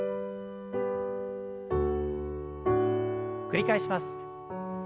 繰り返します。